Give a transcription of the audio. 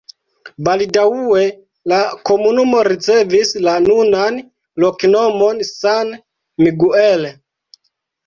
Baldaŭe la komunumo ricevis la nunan loknomon San Miguel.